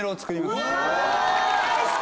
大好き！